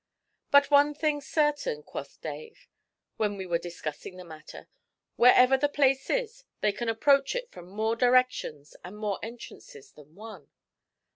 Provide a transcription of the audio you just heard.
'But one thing's certain,' quoth Dave, when we were discussing the matter, 'wherever the place is, they can approach it from more directions and more entrances than one.